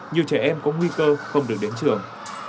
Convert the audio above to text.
nhiều trẻ em có nguy cơ không được đến trường